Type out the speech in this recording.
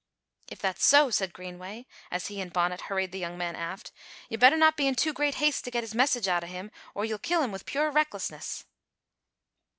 "If that's so," said Greenway, as he and Bonnet hurried the young man aft, "ye'd better no' be in too great haste to get his message out o' him or ye'll kill him wi' pure recklessness."